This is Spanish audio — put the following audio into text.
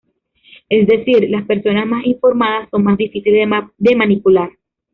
Es decir, las personas más informadas son más difíciles de manipular.